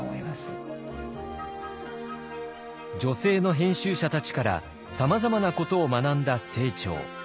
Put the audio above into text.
女性の編集者たちからさまざまなことを学んだ清張。